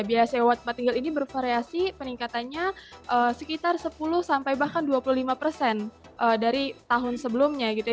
biaya sewa tempat tinggal ini bervariasi peningkatannya sekitar sepuluh sampai bahkan dua puluh lima persen dari tahun sebelumnya gitu ya